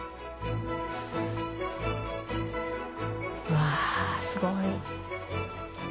わぁすごい。